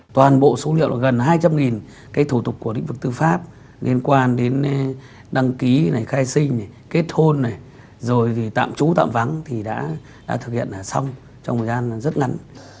toàn bộ số liệu gần hai trăm linh cái thủ tục của định vực tư pháp liên quan đến đăng ký khai sinh kết hôn rồi tạm trú tạm vắng thì đã thực hiện là xong trong thời gian rất ngắn